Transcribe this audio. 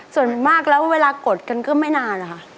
ส่วนมากแล้วเวลากดกันก็ไม่นานนะคะ